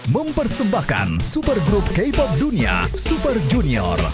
mempersembahkan super grup k pop dunia super junior